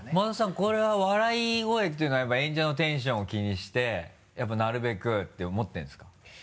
これは笑い声っていうのはやっぱり演者のテンション気にしてやっぱなるべくって思ってるんですか？